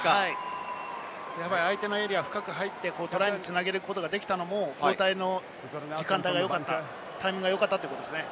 相手のエリア深く入って、トライに繋げることができたのも、交代の時間帯が良かった、タイミングが良かったということですね。